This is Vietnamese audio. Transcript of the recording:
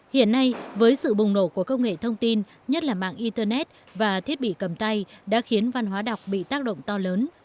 hiện nay với sự bùng nổ của công nghệ thông tin nhất là mạng internet và thiết bị cầm tay đã khiến văn hóa đọc bị tác động to lớn